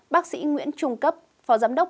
bác sĩ nguyễn trung cấp phó giám đốc